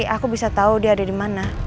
aku bisa tahu dia ada di mana